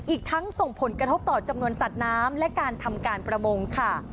อีกทั้งส่งผลกระทบต่อจำนวนสัตว์น้ำและการทำการประมงค่ะ